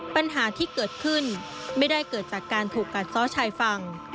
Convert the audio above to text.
ปัญหาที่เกิดขึ้นไม่ได้เกิดจากการถูกกัดซ้อชายฝั่ง